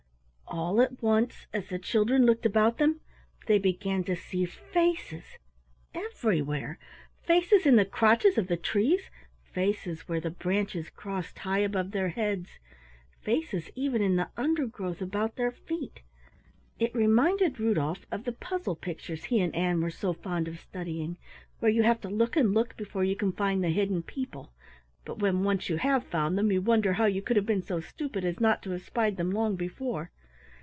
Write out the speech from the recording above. All at once as the children looked about them, they began to see faces everywhere, faces in the crotches of the trees, faces where the branches crossed high above their heads, faces even in the undergrowth about their feet. It reminded Rudolf of the puzzle pictures he and Ann were so fond of studying where you have to look and look before you can find the hidden people, but when once you have found them you wonder how you could have been so stupid as not to have spied them long before.